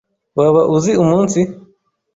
Waba uzi umunsi?